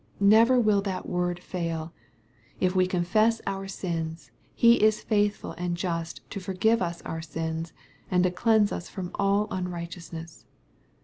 Never will that word fail, " If we confess our sins, he is faithful and just to for give us our sins, and to cleanse us from all unrighteous ness."